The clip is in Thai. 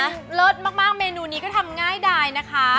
เลิศมากเมนูนี้ก็ทำง่ายดายนะคะ